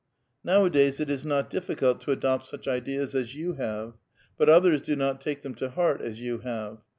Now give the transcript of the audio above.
Nowadays it is not difficult to adopt such ideas as you have. But others do not take them to heart as you have.